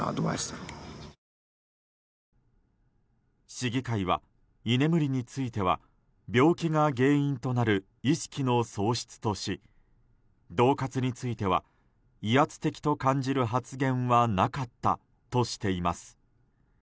市議会は、居眠りについては病気が原因となる意識の喪失とし恫喝については、威圧的と感じる発言はなかったとしています。